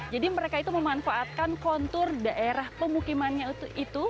jadi mereka itu memanfaatkan kontur daerah pemukimannya itu